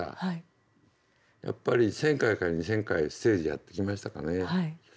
やっぱり１，０００回から２，０００回ステージやってきましたかね。